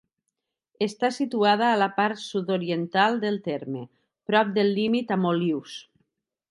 Està situada a la part sud-oriental del terme, prop del límit amb Olius.